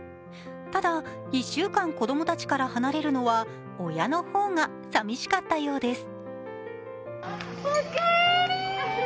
ただ、１週間子供たちから離れるのは親の方が寂しかったようです。